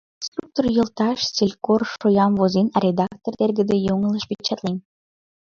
Инструктор йолташ, селькор шоям возен, а редактор, тергыде, йоҥылыш печатлен.